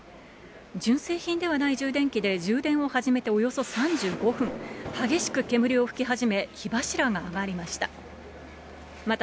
純正品ではない充電器で充電を始めておよそ３５分、激しく煙を噴き始め、火柱が上がりました。